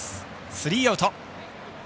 スリーアウト。